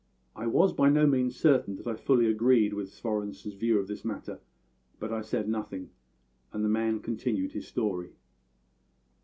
I was by no means certain that I fully agreed with Svorenssen's view of this matter; but I said nothing, and the man continued his story.